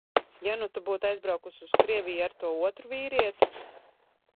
Ja nu tu būtu aizbraukusi uz Krieviju ar to otru vīrieti?